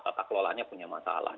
tata kelolanya punya masalah